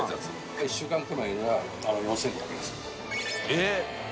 えっ？